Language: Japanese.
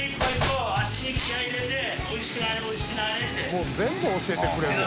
もう全部教えてくれる。